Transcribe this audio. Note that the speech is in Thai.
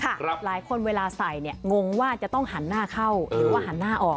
หลายคนเวลาใส่เนี่ยงงว่าจะต้องหันหน้าเข้าหรือว่าหันหน้าออก